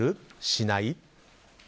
しない？